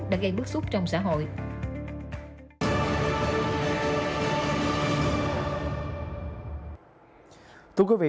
đã gây bức xúc trong xã hội